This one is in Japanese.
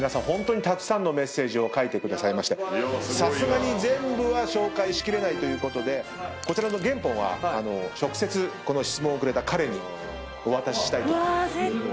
ホントにたくさんのメッセージを書いてくださいましてさすがに全部は紹介し切れないということでこちらの原本は直接この質問をくれた彼にお渡ししたいと。